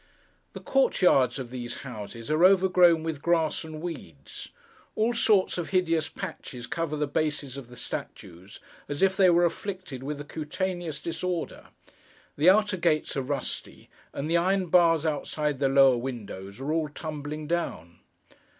The court yards of these houses are overgrown with grass and weeds; all sorts of hideous patches cover the bases of the statues, as if they were afflicted with a cutaneous disorder; the outer gates are rusty; and the iron bars outside the lower windows are all tumbling down.